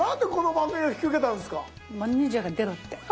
マネージャーが出ろって。